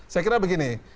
saya kira begini